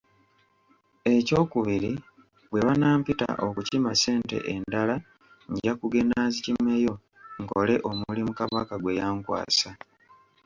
Ekyokubiri, bwe banampita okukima ssente endala nja kugenda nzikimeyo, nkole omulimu Kabaka gwe yankwasa.